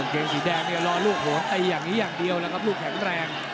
กองเกงสีแดงเนี่ยรอกจ์หื่นรองไห่งงี้อย่างเดียวแล้วก็ครับลูกแข็งแรง